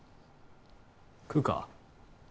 食うか？